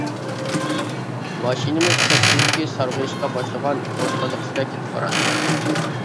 ماشىنىمىز كەچكۈزدىكى سارغىيىشقا باشلىغان بوستانلىق ئىچىدە كېتىپ باراتتى.